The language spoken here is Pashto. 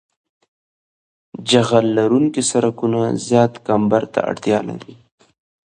جغل لرونکي سرکونه زیات کمبر ته اړتیا لري